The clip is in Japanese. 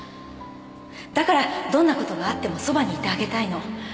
だからどんなことがあってもそばにいてあげたいの